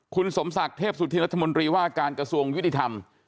คุณสมศักดิ์เทพสุธินรัฐมนตรีว่าการกระทรวงยุติธรรม